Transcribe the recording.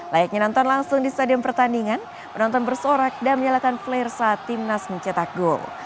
layaknya nonton langsung di stadion pertandingan penonton bersorak dan menyalakan flare saat timnas mencetak gol